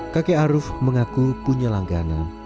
kakek aruf mengaku punya langganan